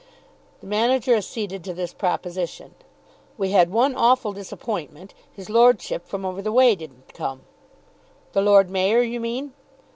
The manager acceded to this proposition. "We had one awful disappointment. His lordship from over the way didn't come." "The Lord Mayor, you mean."